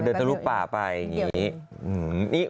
ทะลุป่าไปอย่างนี้